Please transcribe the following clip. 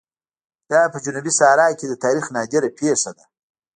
دا په جنوبي صحرا کې د تاریخ نادره پېښه ده.